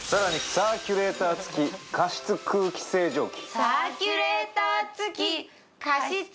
サーキュレーター付加湿空気清浄機